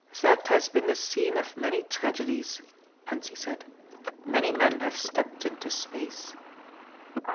"That has been the scene of many tragedies," Hentzi said, "many men have stepped into space."